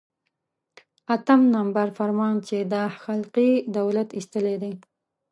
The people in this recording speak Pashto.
اتم نمبر فرمان چې دا خلقي دولت ایستلی دی.